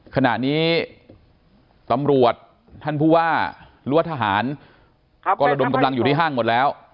ขณะนี้ตำรวจท่านผู้ว่าหรือว่าทหารกรดมกำลังอยู่ที่ห้างหมดแล้ว